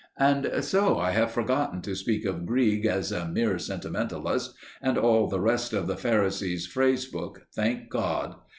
And so I have forgotten to speak of Grieg as a "mere sentimentalist" and all the rest of the Pharisee's Phrase book, thank God!